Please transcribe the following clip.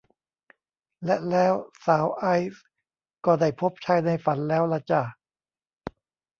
และแล้วสาวไอซ์ก็ได้พบชายในฝันแล้วล่ะจ้ะ